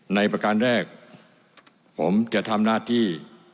ประการแรกผมจะทำหน้าที่